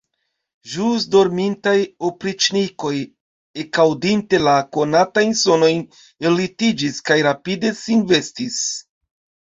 Ĵus dormintaj opriĉnikoj, ekaŭdinte la konatajn sonojn, ellitiĝis kaj rapide sin vestis.